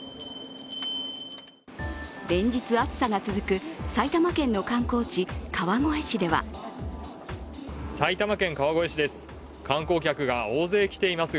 連日、暑さが続く埼玉県の観光地、川越市では埼玉県川越市です。